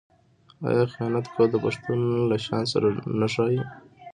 آیا خیانت کول د پښتون له شان سره نه ښايي؟